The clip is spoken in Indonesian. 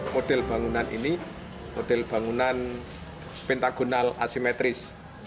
model bangunan ini model bangunan pentagonal asimetris